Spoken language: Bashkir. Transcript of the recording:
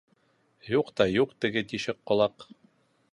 Юҡ та юҡ теге тишек ҡолаҡ.